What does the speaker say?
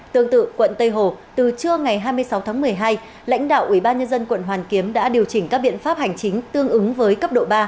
tương tự quận tây hồ từ trưa ngày hai mươi sáu tháng một mươi hai lãnh đạo ubnd quận hoàn kiếm đã điều chỉnh các biện pháp hành chính tương ứng với cấp độ ba